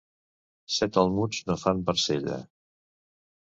Set almuds no fan barcella.